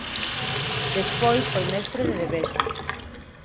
Despois foi mestre de Devesos.